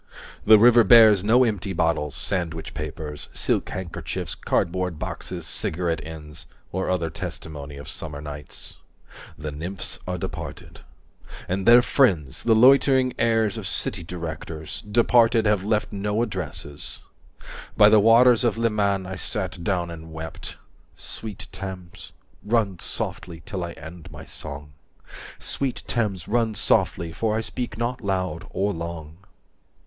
The river bears no empty bottles, sandwich papers, Silk handkerchiefs, cardboard boxes, cigarette ends Or other testimony of summer nights. The nymphs are departed. And their friends, the loitering heirs of city directors; 180 Departed, have left no addresses. By the waters of Leman I sat down and wept… Sweet Thames, run softly till I end my song, Sweet Thames, run softly, for I speak not loud or long.